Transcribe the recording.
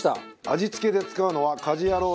味付けで使うのは『家事ヤロウ！！！』